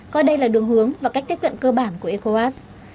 coi đây là đường hướng và cách tiếp cận cơ bản của ecowas